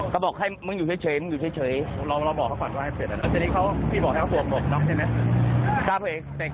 เคาเตอร์ที่ไหน